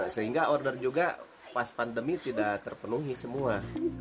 sehingga order juga pas pandemi tidak terpenuhi semua